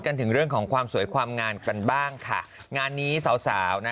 ถึงเรื่องของความสวยความงามกันบ้างค่ะงานนี้สาวสาวนะ